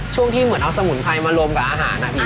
ช่วงที่เหมือนเอาสมุนไพรมารวมกับอาหาร